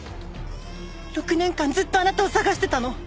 ６年間ずっとあなたを捜してたの。